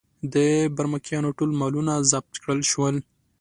د برمکیانو ټول مالونه ضبط کړل شول.